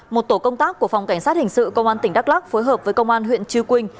một tổ công tác của phòng cảnh sát hình sự công an tỉnh đắk lắc phối hợp với công an huyện chư quynh